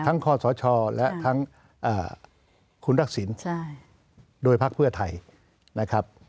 ทั้งข้อสชและทั้งเอ่อคุณรักษิณใช่โดยภาคเพื่อไทยนะครับ